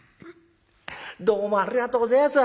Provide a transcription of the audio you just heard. どうもありがとうごぜえやす。